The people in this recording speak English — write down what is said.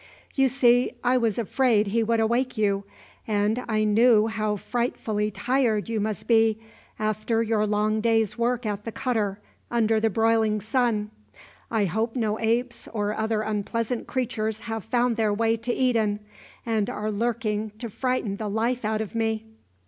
You see, I was afraid he would awake you, and I knew how frightfully tired you must be after your long day's work at the cutter, under the broiling sun. I hope no apes or other unpleasant creatures have found their way to Eden, and are lurking to frighten the life out of me."